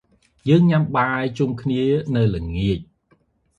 យើងញ៉ាំបាយជុំគ្នានៅល្ងាច។